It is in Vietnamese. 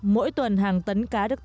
mỗi tuần hàng tấn cá được cắt